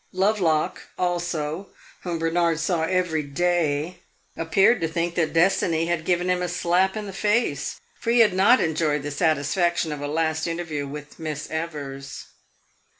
Lovelock, also, whom Bernard saw every day, appeared to think that destiny had given him a slap in the face, for he had not enjoyed the satisfaction of a last interview with Miss Evers.